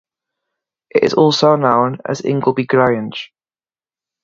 It is also known as Ingleby Grange.